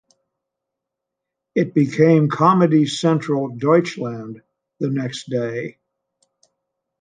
It became Comedy Central Deutschland the next day.